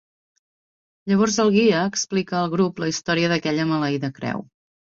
Llavors el guia explica al grup la història d'aquella maleïda creu.